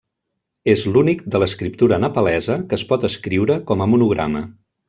És l'únic de l'escriptura nepalesa que es pot escriure com a monograma.